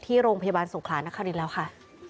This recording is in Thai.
ที่โรงพยาบาลสงครานนะครับนี้แล้วค่ะ